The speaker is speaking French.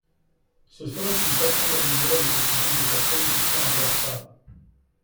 Ce serait une façon d’améliorer le quotidien des personnes qui sont à l’ASPA.